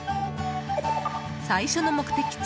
最初の目的地